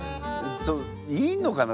いいのかな？